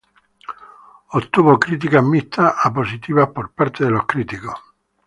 Obtuvo críticas mixtas a positivas por parte de los críticos.